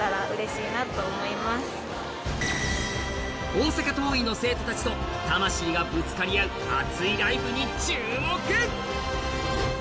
大阪桐蔭の生徒たちと魂がぶつかり合う熱いライブに注目！